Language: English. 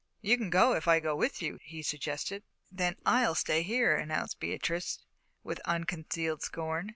"You can go if I go with you," he suggested. "Then I'll stay here," announced Beatrice, with unconcealed scorn.